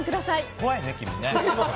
怖いね、君ね。